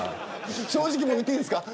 正直言っていいですか。